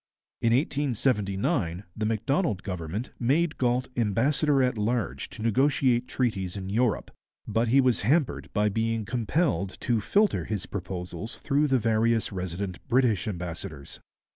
In 1879 the Macdonald Government made Galt ambassador at large to negotiate treaties in Europe, but he was hampered by being compelled to 'filter' his proposals through the various resident British ambassadors.